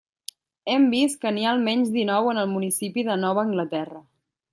Hem vist que n'hi ha almenys dinou en el municipi de Nova Anglaterra.